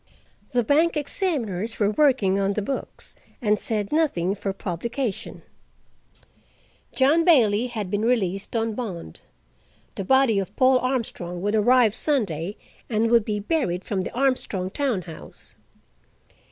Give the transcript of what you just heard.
The bank examiners were working on the books, and said nothing for publication: John Bailey had been released on bond. The body of Paul Armstrong would arrive Sunday and would be buried from the Armstrong town house.